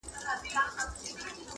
پلار یې وکړه ورته ډېر نصیحتونه,